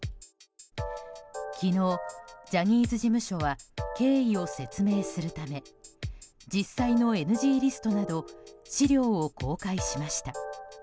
昨日、ジャニーズ事務所は経緯を説明するため実際のＮＧリストなど資料を公開しました。